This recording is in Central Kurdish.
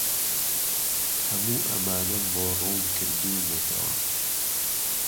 هەموو ئەمانەم بۆ ڕوون کردوونەتەوە.